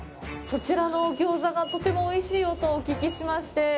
そちらの餃子がとてもおいしいよとお聞きしまして。